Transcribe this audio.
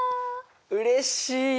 うれしい！